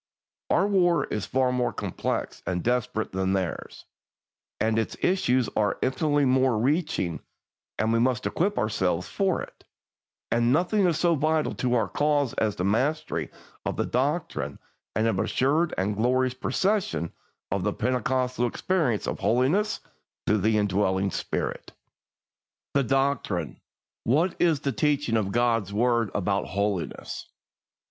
Our war is far more complex and desperate than theirs, and its issues are infinitely more far reaching, and we must equip ourselves for it; and nothing is so vital to our cause as a mastery of the doctrine and an assured and joyous possession of the Pentecostal experience of holiness through the indwelling Spirit. I. The Doctrine. What is the teaching of God's word about holiness?